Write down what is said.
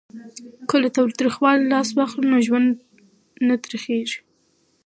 که له تاوتریخوالي لاس واخلو نو ژوند نه تریخیږي.